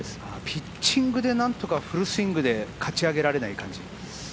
ピッチングで何とかフルスイングで勝ちあげられない感じ？